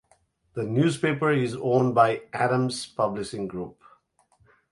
The newspaper is owned by Adams Publishing Group.